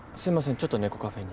ちょっと猫カフェに。